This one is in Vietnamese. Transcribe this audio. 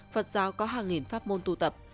phật giáo có hàng nghìn pháp môn tu tập